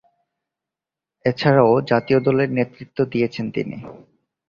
এছাড়াও জাতীয় দলের নেতৃত্ব দিয়েছেন তিনি।